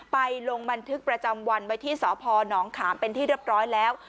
ลงบันทึกประจำวันไว้ที่สพนขามเป็นที่เรียบร้อยแล้ว